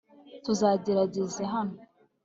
tuzategereza hano